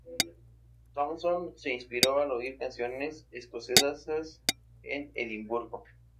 Thompson se inspiró al oír canciones escocesas en Edimburgo.